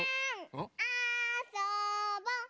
あそぼ！